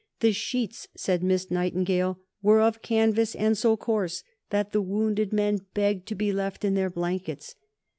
The sheets, said Miss Nightingale, "were of canvas, and so coarse that the wounded men begged to be left in their blankets.